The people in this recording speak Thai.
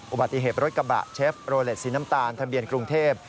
อุบัติเหตุรถกระบะเชฟโรเล็ตสีน้ำตาลทะเบียนกรุงเทพ